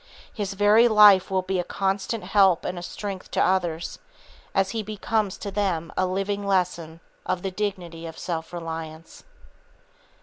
His very life will be a constant help and a strength to others, as he becomes to them a living lesson of the dignity of self reliance.